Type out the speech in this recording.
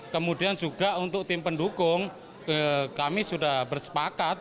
kemudian juga untuk tim pendukung kami sudah bersepakat